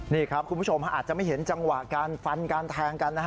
นี่ครับคุณผู้ชมอาจจะไม่เห็นจังหวะการฟันการแทงกันนะฮะ